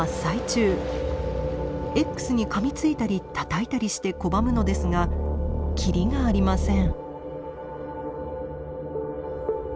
Ｘにかみついたりたたいたりして拒むのですがきりがありません。